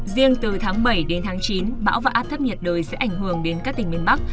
riêng từ tháng bảy đến tháng chín bão và áp thấp nhiệt đới sẽ ảnh hưởng đến các tỉnh miền bắc